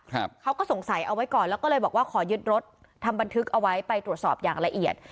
เขาก็สงสัยเอาไว้ก่อนแล้วก็เลยบอกว่าขอยึดรถทำบันทึกเอาไว้ไปตรวจสอบอย่างละเอียด